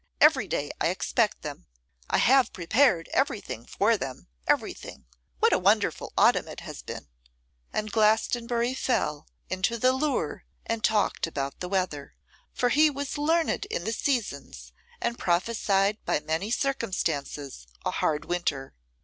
Every day I expect them. I have prepared everything for them, everything. What a wonderful autumn it has been!' And Glastonbury fell into the lure and talked about the weather, for he was learned in the seasons, and prophesied by many circumstances a hard winter.